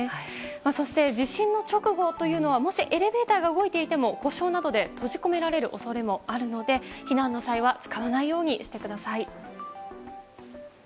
そして、地震の直後というのはもしエレベーターが動いていても故障などで閉じ込められる恐れもあるので、避難の際は使わないようにしてください。